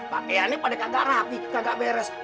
pak ea ini pada kagak rapi kagak beres